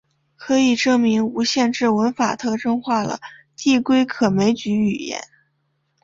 可以证明无限制文法特征化了递归可枚举语言。